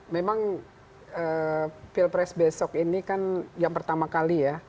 memang pilpres besok ini kan yang pertama kali ya